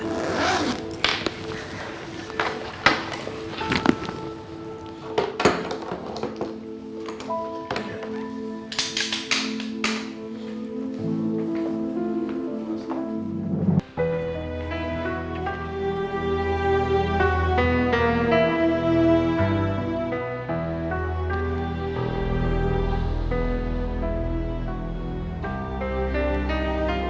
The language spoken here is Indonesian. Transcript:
terima kasih pak